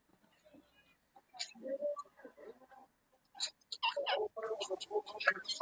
It was the family of Natalia Naryshkina, Peter the Great's mother.